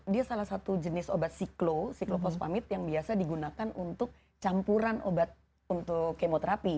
dia salah satu jenis obat siklo siklopospamit yang biasa digunakan untuk campuran obat untuk kemoterapi